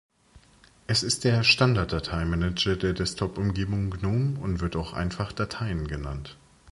Es ist der Standard-Dateimanager der Desktop-Umgebung Gnome und wird auch einfach "Dateien" genannt.